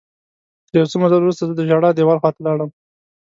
تر یو څه مزل وروسته زه د ژړا دیوال خواته لاړم.